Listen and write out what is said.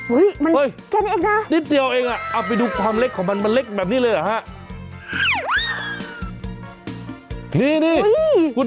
แค่นี้เองนะนิดเดียวเองอ่ะเอาไปดูความเล็กของมันมันเล็กแบบนี้เลยเหรอฮะ